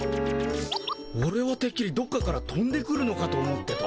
オレはてっきりどっかからとんでくるのかと思ってた。